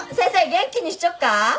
元気にしちょっか？